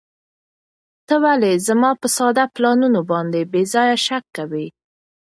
ته ولې زما په ساده پلانونو باندې بې ځایه شک کوې؟